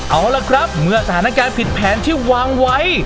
เอาล่ะครับเมื่อสถานการณ์ผิดแผนที่วางไว้